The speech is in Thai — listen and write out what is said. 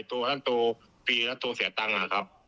โทรทั้งโทรฟรีแล้วโทรเสียตังค์ครับ